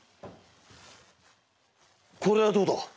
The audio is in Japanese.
これはどうだ？